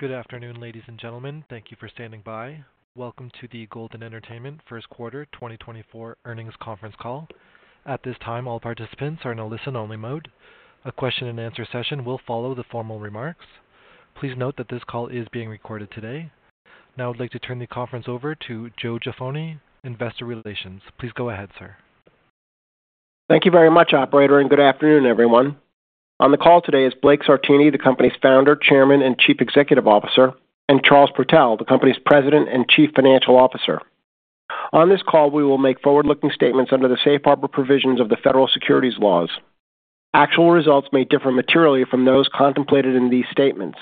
Good afternoon, ladies and gentlemen. Thank you for standing by. Welcome to the Golden Entertainment First Quarter 2024 Earnings Conference Call. At this time, all participants are in a listen-only mode. A question-and-answer session will follow the formal remarks. Please note that this call is being recorded today. Now I'd like to turn the conference over to Joe Jaffoni, Investor Relations. Please go ahead, sir. Thank you very much, operator, and good afternoon, everyone. On the call today is Blake Sartini, the company's Founder, Chairman, and Chief Executive Officer, and Charles Protell, the company's President and Chief Financial Officer. On this call, we will make forward-looking statements under the Safe Harbor provisions of the federal securities laws. Actual results may differ materially from those contemplated in these statements.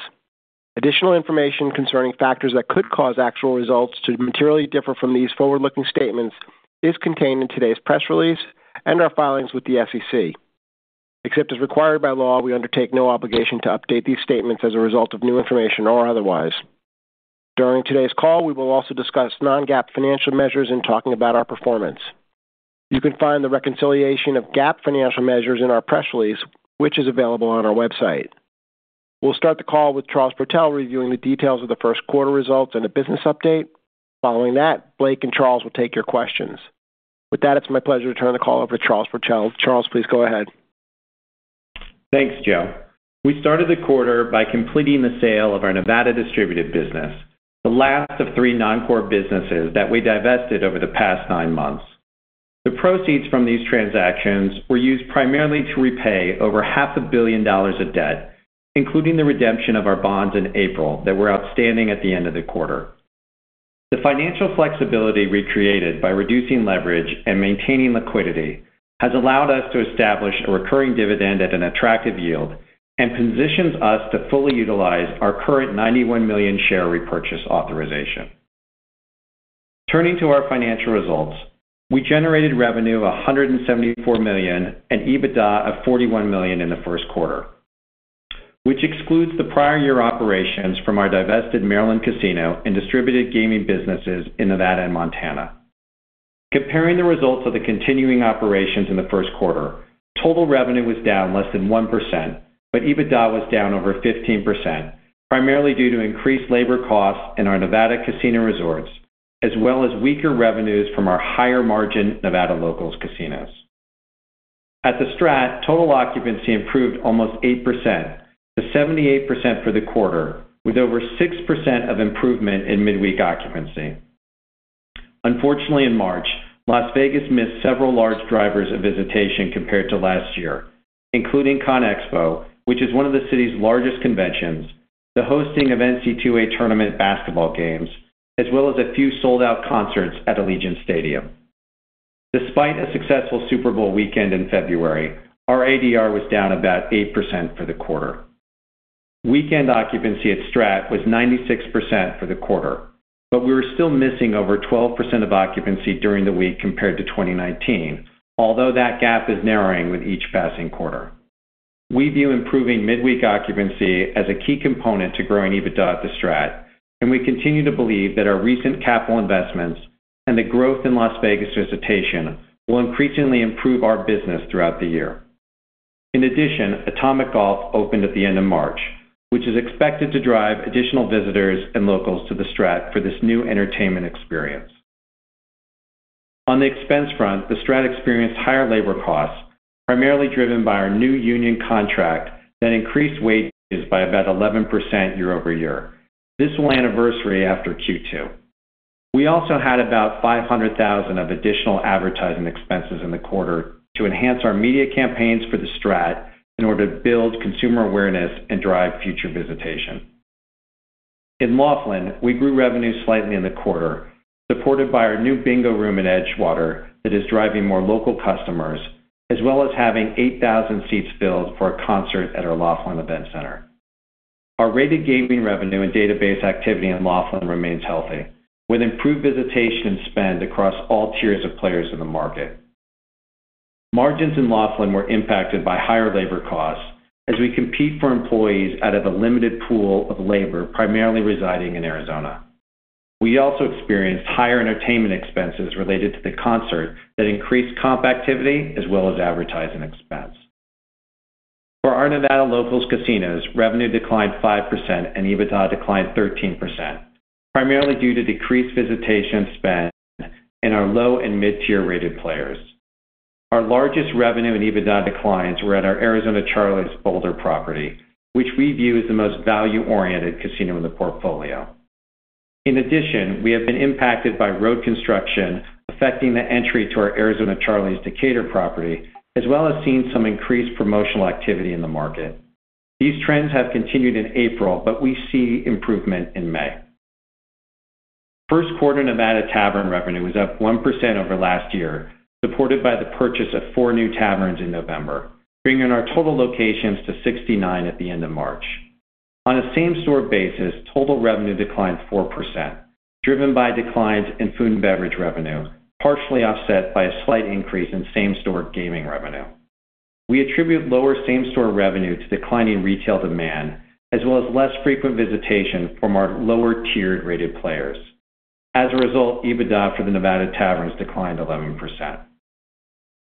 Additional information concerning factors that could cause actual results to materially differ from these forward-looking statements is contained in today's press release and our filings with the SEC. Except as required by law, we undertake no obligation to update these statements as a result of new information or otherwise. During today's call, we will also discuss non-GAAP financial measures and talking about our performance. You can find the reconciliation of GAAP financial measures in our press release, which is available on our website. We'll start the call with Charles Protell reviewing the details of the first quarter results and a business update. Following that, Blake and Charles will take your questions. With that, it's my pleasure to turn the call over to Charles Protell. Charles, please go ahead. Thanks, Joe. We started the quarter by completing the sale of our Nevada distributed business, the last of three non-core businesses that we divested over the past nine months. The proceeds from these transactions were used primarily to repay over $500 million of debt, including the redemption of our bonds in April that were outstanding at the end of the quarter. The financial flexibility we created by reducing leverage and maintaining liquidity has allowed us to establish a recurring dividend at an attractive yield and positions us to fully utilize our current 91 million share repurchase authorization. Turning to our financial results, we generated revenue of $174 million and EBITDA of $41 million in the first quarter, which excludes the prior year operations from our divested Maryland casino and distributed gaming businesses in Nevada and Montana. Comparing the results of the continuing operations in the first quarter, total revenue was down less than 1%, but EBITDA was down over 15%, primarily due to increased labor costs in our Nevada casino resorts as well as weaker revenues from our higher-margin Nevada locals casinos. At The STRAT, total occupancy improved almost 8% to 78% for the quarter, with over 6% of improvement in midweek occupancy. Unfortunately, in March, Las Vegas missed several large drivers of visitation compared to last year, including CONEXPO, which is one of the city's largest conventions, the hosting of NCAA Tournament basketball games, as well as a few sold-out concerts at Allegiant Stadium. Despite a successful Super Bowl weekend in February, our ADR was down about 8% for the quarter. Weekend occupancy at STRAT was 96% for the quarter, but we were still missing over 12% of occupancy during the week compared to 2019, although that gap is narrowing with each passing quarter. We view improving midweek occupancy as a key component to growing EBITDA at the STRAT, and we continue to believe that our recent capital investments and the growth in Las Vegas visitation will increasingly improve our business throughout the year. In addition, Atomic Golf opened at the end of March, which is expected to drive additional visitors and locals to the STRAT for this new entertainment experience. On the expense front, the STRAT experienced higher labor costs, primarily driven by our new union contract that increased wages by about 11% year-over-year. This will anniversary after Q2. We also had about $500,000 of additional advertising expenses in the quarter to enhance our media campaigns for the STRAT in order to build consumer awareness and drive future visitation. In Laughlin, we grew revenue slightly in the quarter, supported by our new bingo room in Edgewater that is driving more local customers, as well as having 8,000 seats filled for a concert at our Laughlin Event Center. Our rated gaming revenue and database activity in Laughlin remains healthy, with improved visitation and spend across all tiers of players in the market. Margins in Laughlin were impacted by higher labor costs as we compete for employees out of a limited pool of labor primarily residing in Arizona. We also experienced higher entertainment expenses related to the concert that increased comp activity as well as advertising expense. For our Nevada locals casinos, revenue declined 5% and EBITDA declined 13%, primarily due to decreased visitation and spend in our low and mid-tier rated players. Our largest revenue and EBITDA declines were at our Arizona Charlie's Boulder property, which we view as the most value-oriented casino in the portfolio. In addition, we have been impacted by road construction affecting the entry to our Arizona Charlie's Decatur property, as well as seeing some increased promotional activity in the market. These trends have continued in April, but we see improvement in May. First quarter Nevada tavern revenue was up 1% over last year, supported by the purchase of four new taverns in November, bringing our total locations to 69 at the end of March. On a same-store basis, total revenue declined 4%, driven by declines in food and beverage revenue, partially offset by a slight increase in same-store gaming revenue. We attribute lower same-store revenue to declining retail demand as well as less frequent visitation from our lower-tiered rated players. As a result, EBITDA for the Nevada taverns declined 11%.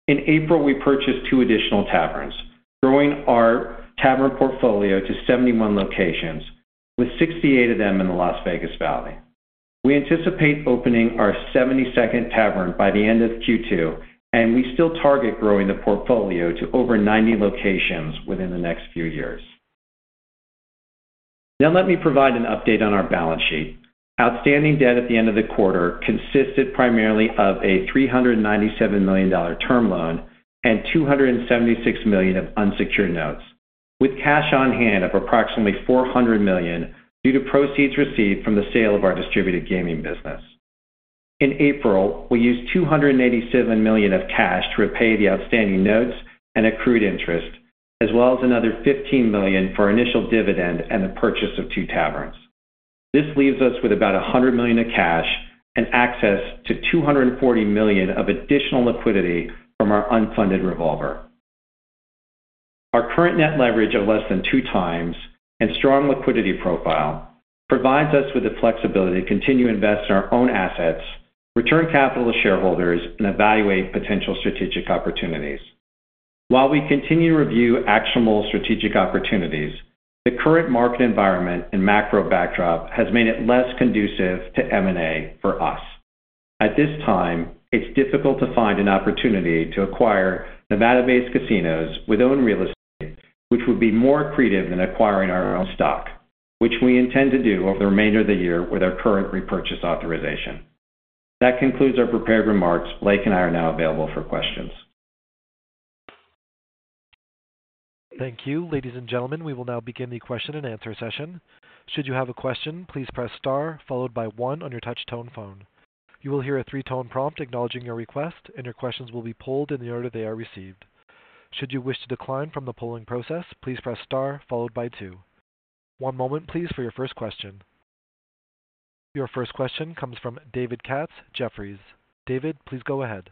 In April, we purchased two additional taverns, growing our tavern portfolio to 71 locations, with 68 of them in the Las Vegas Valley. We anticipate opening our 72nd tavern by the end of Q2, and we still target growing the portfolio to over 90 locations within the next few years. Now let me provide an update on our balance sheet. Outstanding debt at the end of the quarter consisted primarily of a $397 million term loan and $276 million of unsecured notes, with cash on hand of approximately $400 million due to proceeds received from the sale of our distributed gaming business. In April, we used $287 million of cash to repay the outstanding notes and accrued interest, as well as another $15 million for initial dividend and the purchase of two taverns. This leaves us with about $100 million of cash and access to $240 million of additional liquidity from our unfunded revolver. Our current net leverage of less than two times and strong liquidity profile provides us with the flexibility to continue to invest in our own assets, return capital to shareholders, and evaluate potential strategic opportunities. While we continue to review actionable strategic opportunities, the current market environment and macro backdrop has made it less conducive to M&A for us. At this time, it's difficult to find an opportunity to acquire Nevada-based casinos with own real estate, which would be more accretive than acquiring our own stock, which we intend to do over the remainder of the year with our current repurchase authorization. That concludes our prepared remarks. Blake and I are now available for questions. Thank you, ladies and gentlemen. We will now begin the question-and-answer session. Should you have a question, please press star followed by one on your touch-tone phone. You will hear a three-tone prompt acknowledging your request, and your questions will be polled in the order they are received. Should you wish to decline from the polling process, please press star followed by two. One moment, please, for your first question. Your first question comes from David Katz, Jefferies. David, please go ahead.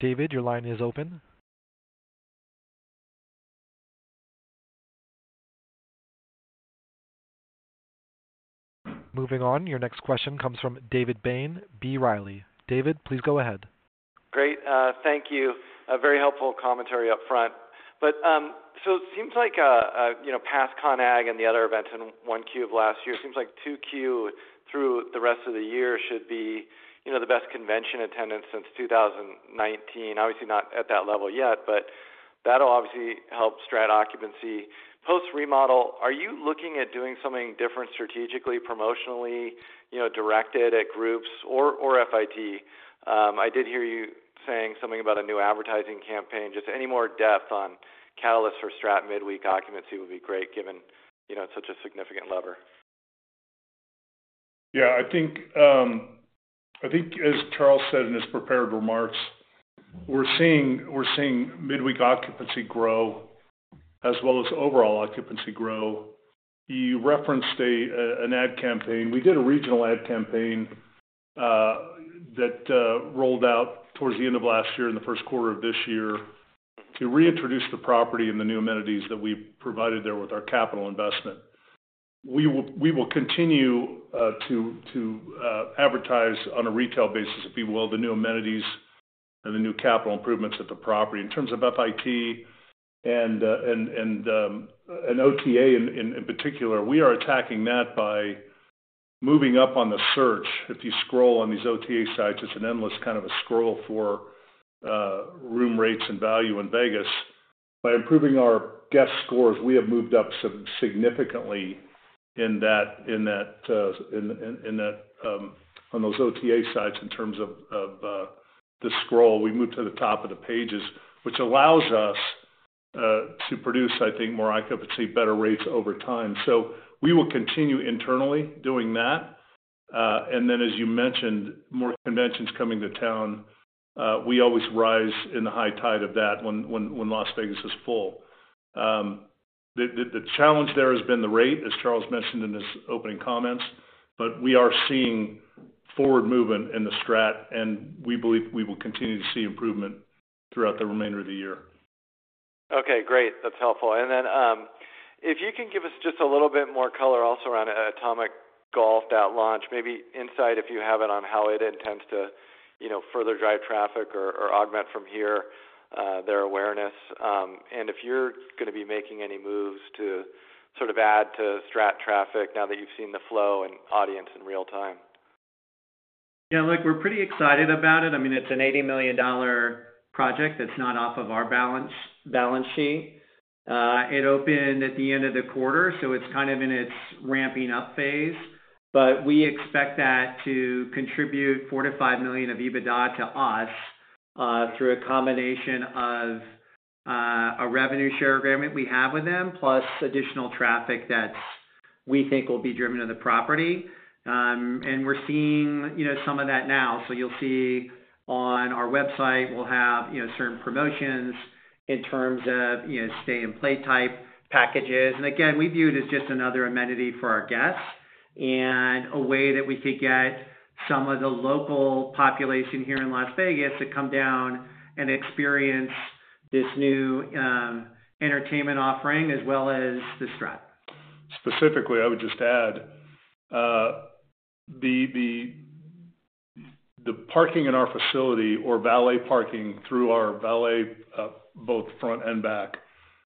David, your line is open. Moving on, your next question comes from David Bain, B. Riley. David, please go ahead. Great. Thank you. A very helpful commentary up front. But so it seems like past CONEXPO and the other events in Q1 last year, it seems like Q2 through the rest of the year should be the best convention attendance since 2019. Obviously, not at that level yet, but that'll obviously help STRAT occupancy. Post remodel, are you looking at doing something different strategically, promotionally directed at groups or FIT? I did hear you saying something about a new advertising campaign. Just any more depth on catalysts for STRAT midweek occupancy would be great given it's such a significant lever. Yeah. I think, as Charles said in his prepared remarks, we're seeing midweek occupancy grow as well as overall occupancy grow. You referenced an ad campaign. We did a regional ad campaign that rolled out towards the end of last year and the first quarter of this year to reintroduce the property and the new amenities that we provided there with our capital investment. We will continue to advertise on a retail basis, if you will, the new amenities and the new capital improvements at the property. In terms of FIT and OTA in particular, we are attacking that by moving up on the search. If you scroll on these OTA sites, it's an endless kind of a scroll for room rates and value in Vegas. By improving our guest scores, we have moved up significantly on those OTA sites in terms of the scroll. We moved to the top of the pages, which allows us to produce, I think, more occupancy, better rates over time. So we will continue internally doing that. And then, as you mentioned, more conventions coming to town. We always rise in the high tide of that when Las Vegas is full. The challenge there has been the rate, as Charles mentioned in his opening comments, but we are seeing forward movement in the STRAT, and we believe we will continue to see improvement throughout the remainder of the year. Okay. Great. That's helpful. Then if you can give us just a little bit more color also around Atomic Golf that launch, maybe insight, if you have it, on how it intends to further drive traffic or augment from here their awareness, and if you're going to be making any moves to sort of add to STRAT traffic now that you've seen the flow and audience in real time? Yeah. Look, we're pretty excited about it. I mean, it's an $80 million project. It's not off of our balance sheet. It opened at the end of the quarter, so it's kind of in its ramping up phase. But we expect that to contribute $4 million-$5 million of EBITDA to us through a combination of a revenue share agreement we have with them plus additional traffic that we think will be driven to the property. And we're seeing some of that now. So you'll see on our website, we'll have certain promotions in terms of stay-and-play type packages. And again, we view it as just another amenity for our guests and a way that we could get some of the local population here in Las Vegas to come down and experience this new entertainment offering as well as the STRAT. Specifically, I would just add the parking in our facility or valet parking through our valet, both front and back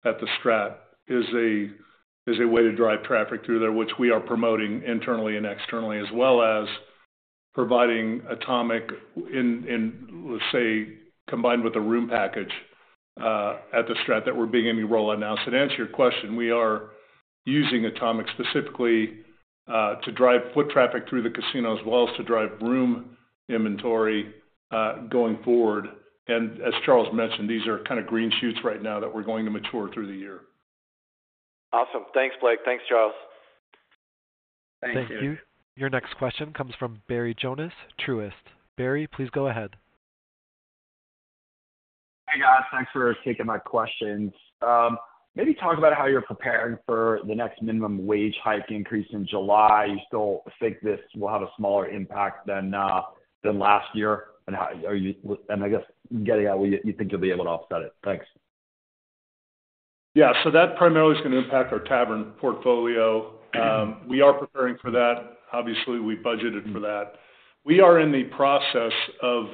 at the STRAT, is a way to drive traffic through there, which we are promoting internally and externally as well as providing Atomic, let's say, combined with a room package at the STRAT that we're beginning to roll out now. So to answer your question, we are using Atomic specifically to drive foot traffic through the casino as well as to drive room inventory going forward. And as Charles mentioned, these are kind of green shoots right now that we're going to mature through the year. Awesome. Thanks, Blake. Thanks, Charles. Thank you. Thank you. Your next question comes from Barry Jonas, Truist. Barry, please go ahead. Hey, guys. Thanks for taking my questions. Maybe talk about how you're preparing for the next minimum wage hike increase in July. You still think this will have a smaller impact than last year? And I guess getting out, you think you'll be able to offset it. Thanks. Yeah. So that primarily is going to impact our tavern portfolio. We are preparing for that. Obviously, we budgeted for that. We are in the process of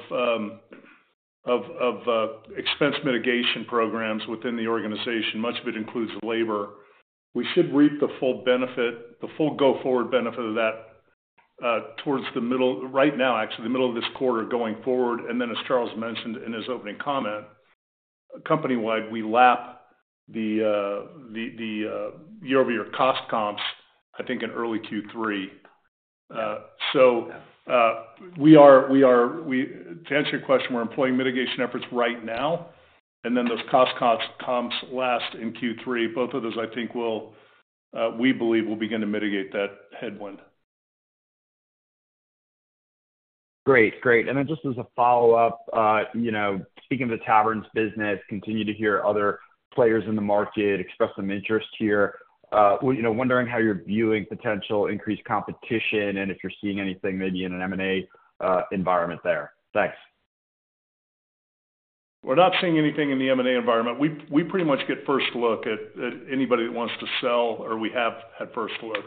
expense mitigation programs within the organization. Much of it includes labor. We should reap the full benefit, the full go-forward benefit of that towards the middle right now, actually, the middle of this quarter going forward. And then, as Charles mentioned in his opening comment, company-wide, we lap the year-over-year cost comps, I think, in early Q3. So to answer your question, we're employing mitigation efforts right now, and then those cost comps last in Q3. Both of those, I think, we believe will begin to mitigate that headwind. Great. Great. And then just as a follow-up, speaking of the taverns business, continue to hear other players in the market express some interest here. Wondering how you're viewing potential increased competition and if you're seeing anything maybe in an M&A environment there? Thanks. We're not seeing anything in the M&A environment. We pretty much get first look at anybody that wants to sell, or we have had first look.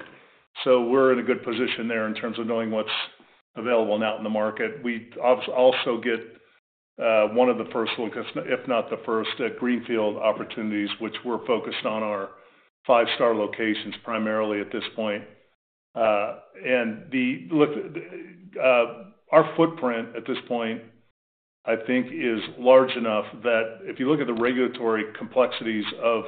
So we're in a good position there in terms of knowing what's available now in the market. We also get one of the first looks, if not the first, at greenfield opportunities, which we're focused on our five-star locations primarily at this point. And look, our footprint at this point, I think, is large enough that if you look at the regulatory complexities of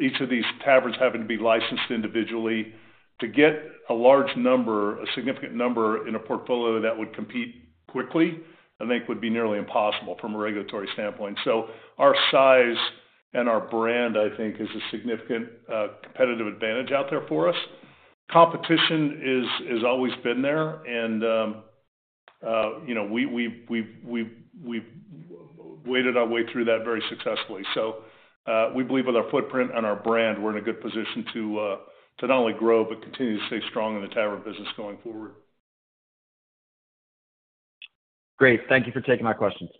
each of these taverns having to be licensed individually, to get a large number, a significant number in a portfolio that would compete quickly, I think, would be nearly impossible from a regulatory standpoint. So our size and our brand, I think, is a significant competitive advantage out there for us. Competition has always been there, and we've weathered our way through that very successfully. So we believe with our footprint and our brand, we're in a good position to not only grow but continue to stay strong in the tavern business going forward. Great. Thank you for taking my questions.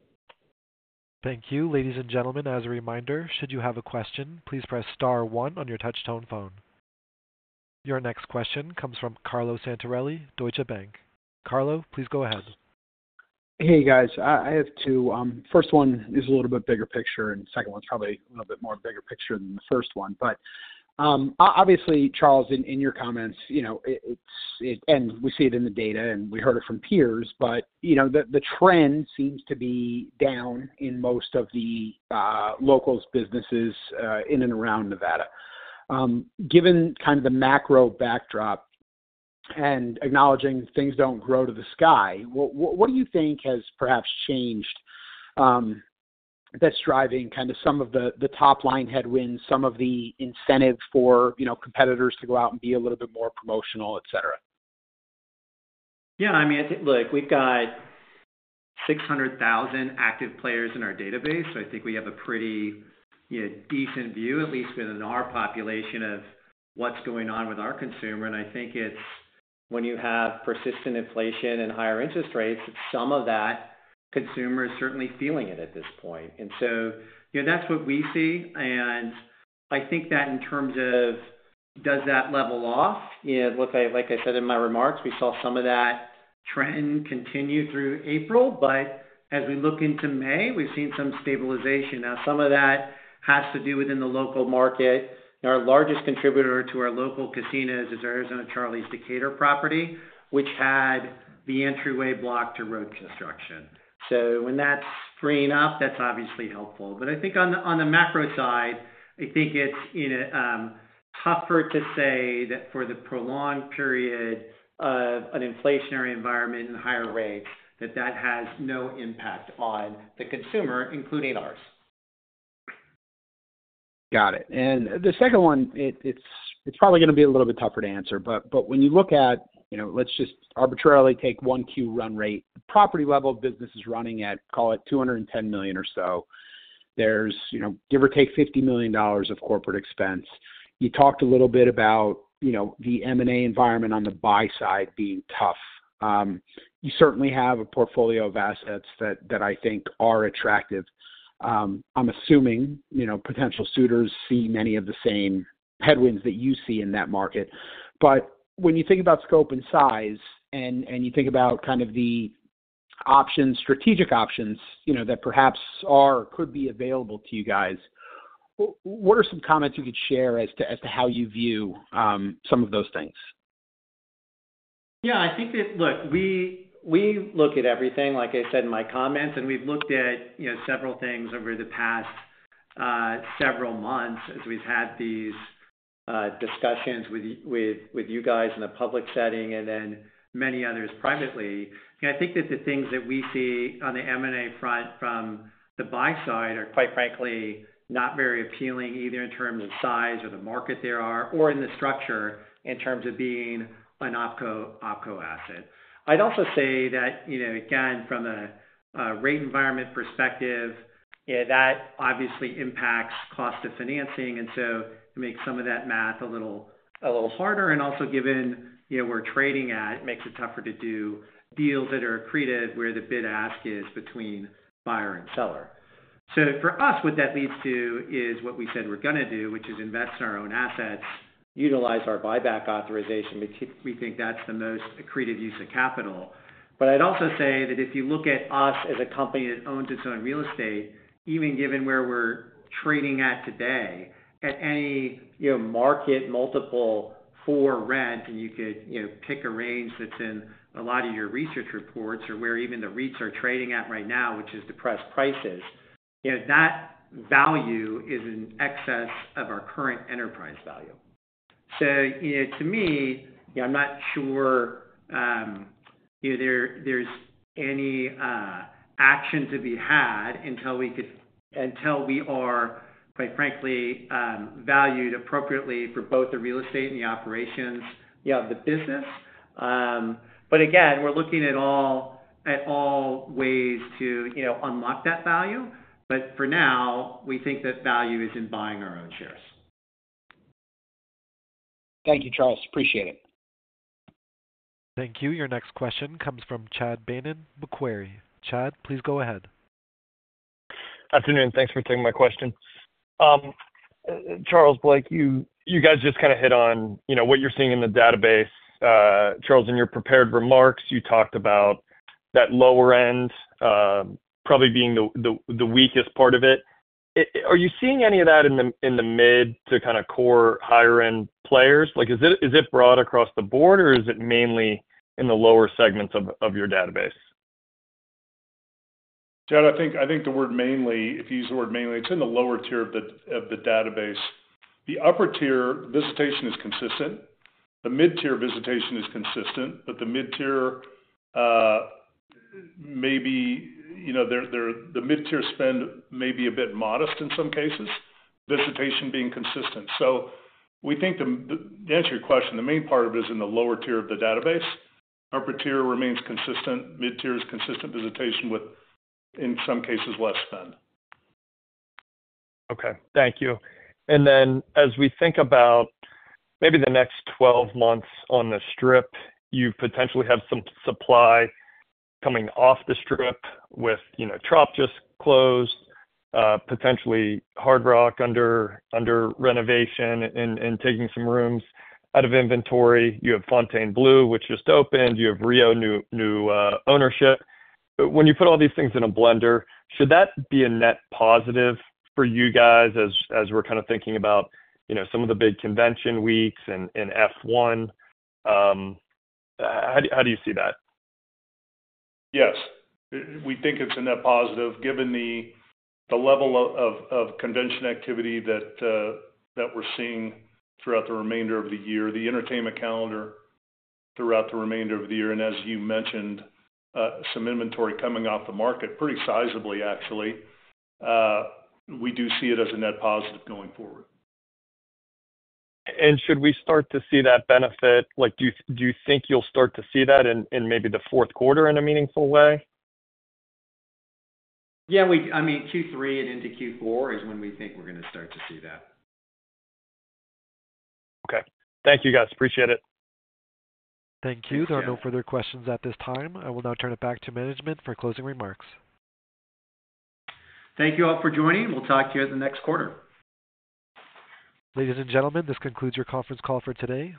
Thank you, ladies and gentlemen. As a reminder, should you have a question, please press star one on your touch-tone phone. Your next question comes from Carlo Santarelli, Deutsche Bank. Carlo, please go ahead. Hey, guys. I have two. First one is a little bit bigger picture, and second one's probably a little bit more bigger picture than the first one. But obviously, Charles, in your comments, and we see it in the data, and we heard it from peers, but the trend seems to be down in most of the locals' businesses in and around Nevada. Given kind of the macro backdrop and acknowledging things don't grow to the sky, what do you think has perhaps changed that's driving kind of some of the top-line headwinds, some of the incentive for competitors to go out and be a little bit more promotional, etc.? Yeah. I mean, look, we've got 600,000 active players in our database, so I think we have a pretty decent view, at least within our population, of what's going on with our consumer. And I think it's when you have persistent inflation and higher interest rates, some of that consumer is certainly feeling it at this point. And so that's what we see. And I think that in terms of does that level off? Look, like I said in my remarks, we saw some of that trend continue through April, but as we look into May, we've seen some stabilization. Now, some of that has to do within the local market. Our largest contributor to our local casinos is Arizona Charlie's Decatur property, which had the entryway blocked to road construction. So when that's freeing up, that's obviously helpful. But I think on the macro side, I think it's tougher to say that for the prolonged period of an inflationary environment and higher rates, that that has no impact on the consumer, including ours. Got it. And the second one, it's probably going to be a little bit tougher to answer. But when you look at, let's just arbitrarily take Q1 run rate. The property-level business is running at, call it, $210 million or so. There's, give or take, $50 million of corporate expense. You talked a little bit about the M&A environment on the buy side being tough. You certainly have a portfolio of assets that I think are attractive. I'm assuming potential suitors see many of the same headwinds that you see in that market. But when you think about scope and size and you think about kind of the strategic options that perhaps are or could be available to you guys, what are some comments you could share as to how you view some of those things? Yeah. I think that, look, we look at everything, like I said in my comments, and we've looked at several things over the past several months as we've had these discussions with you guys in the public setting and then many others privately. And I think that the things that we see on the M&A front from the buy side are, quite frankly, not very appealing either in terms of size or the market there are or in the structure in terms of being an OpCo asset. I'd also say that, again, from a rate environment perspective, that obviously impacts cost of financing. And so it makes some of that math a little harder. And also given where trading at, it makes it tougher to do deals that are accretive where the bid-ask is between buyer and seller. So for us, what that leads to is what we said we're going to do, which is invest in our own assets, utilize our buyback authorization. We think that's the most accretive use of capital. But I'd also say that if you look at us as a company that owns its own real estate, even given where we're trading at today, at any market multiple for rent, and you could pick a range that's in a lot of your research reports or where even the REITs are trading at right now, which is depressed prices, that value is in excess of our current enterprise value. So to me, I'm not sure there's any action to be had until we are quite frankly valued appropriately for both the real estate and the operations of the business. But again, we're looking at all ways to unlock that value. But for now, we think that value is in buying our own shares. Thank you, Charles. Appreciate it. Thank you. Your next question comes from Chad Beynon, Macquarie. Chad, please go ahead. Afternoon. Thanks for taking my question. Charles, Blake, you guys just kind of hit on what you're seeing in the database. Charles, in your prepared remarks, you talked about that lower end probably being the weakest part of it. Are you seeing any of that in the mid to kind of core higher-end players? Is it broad across the board, or is it mainly in the lower segments of your database? Chad, I think the word mainly, if you use the word mainly, it's in the lower tier of the database. The upper tier, visitation is consistent. The mid-tier visitation is consistent, but the mid-tier maybe the mid-tier spend may be a bit modest in some cases, visitation being consistent. So we think to answer your question, the main part of it is in the lower tier of the database. Upper tier remains consistent. Mid-tier is consistent visitation with, in some cases, less spend. Okay. Thank you. And then as we think about maybe the next 12 months on the Strip, you potentially have some supply coming off the Strip with Tropicana just closed, potentially Hard Rock under renovation and taking some rooms out of inventory. You have Fontainebleau, which just opened. You have Rio new ownership. When you put all these things in a blender, should that be a net positive for you guys as we're kind of thinking about some of the big convention weeks and F1? How do you see that? Yes. We think it's a net positive given the level of convention activity that we're seeing throughout the remainder of the year, the entertainment calendar throughout the remainder of the year, and as you mentioned, some inventory coming off the market, pretty sizably, actually. We do see it as a net positive going forward. Should we start to see that benefit? Do you think you'll start to see that in maybe the fourth quarter in a meaningful way? Yeah. I mean, Q3 and into Q4 is when we think we're going to start to see that. Okay. Thank you, guys. Appreciate it. Thank you. There are no further questions at this time. I will now turn it back to management for closing remarks. Thank you all for joining. We'll talk to you at the next quarter. Ladies and gentlemen, this concludes your conference call for today.